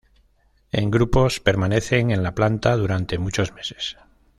En grupos permanecen en la planta durante muchos meses.